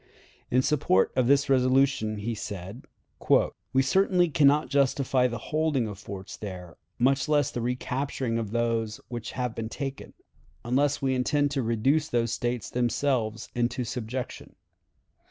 In support of this resolution he said: "We certainly can not justify the holding of forts there, much less the recapturing of those which have been taken, unless we intend to reduce those States themselves into subjection.